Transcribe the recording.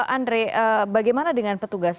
andre bagaimana dengan petugas